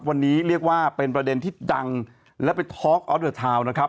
วันนี้เรียกว่าเป็นประเด็นที่ดังและไปทอล์กออสเดอร์ทาวน์นะครับ